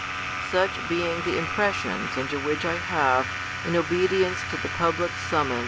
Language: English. Such being the impressions under which I have, in obedience to the public summon.'